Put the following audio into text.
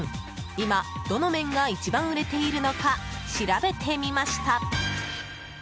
今、どの麺が一番売れているのか調べてみました。